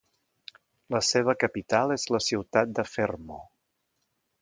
La seva capital és la ciutat de Fermo.